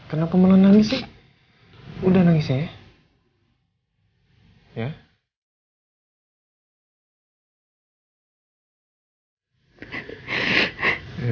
kenapa malah nangis sih